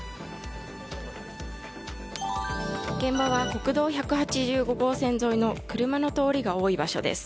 現場は国道１８５号線沿いの車の通りが多い場所です。